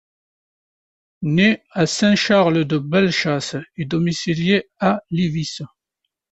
Né à Saint-Charles-de-Bellechasse et domicilié à Lévis.